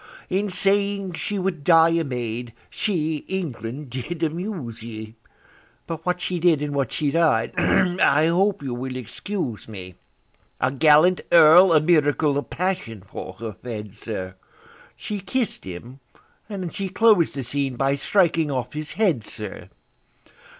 In saying she would die a maid, she, England! did amuse ye. But what she did, and what she died—I hope you will excuse me: A gallant Earl a miracle of passion for her fed, sir; She kiss'd him, and she clos'd the scene by striking off his head, sir!